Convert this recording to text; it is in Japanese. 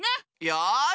よし。